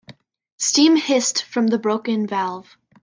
Steam hissed from the broken valve.